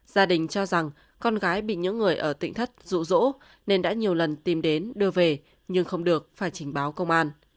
gia đình cho rằng con gái bị những người ở tỉnh thất rụ rỗ nên đã nhiều lần tìm đến đưa về nhưng không được phải trình báo công an